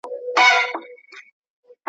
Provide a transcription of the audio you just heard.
نن سهار له کندهار څخه .